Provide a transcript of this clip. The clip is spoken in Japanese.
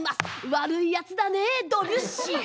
悪いやつだねドビュッシー。